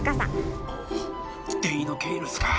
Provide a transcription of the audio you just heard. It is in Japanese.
おデイノケイルスか。